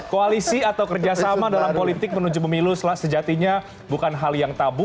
koalisi atau kerjasama dalam politik menuju pemilu sejatinya bukan hal yang tabu